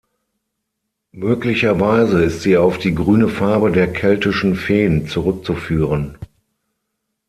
Möglicherweise ist sie auf die grüne Farbe der keltischen Feen zurückzuführen.